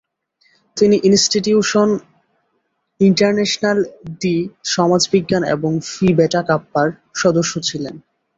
তিনি institute international ডি সমাজবিজ্ঞান এবং ফি বেটা কাপ্পার সদস্য ছিলেন।